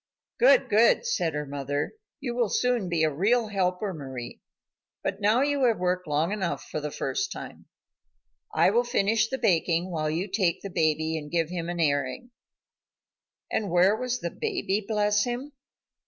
"Good, good," said her mother, "you will soon be a real helper, Mari. But now you have worked long enough for the first time. I will finish the baking while you take the baby and give him an airing." And where was the baby, bless him?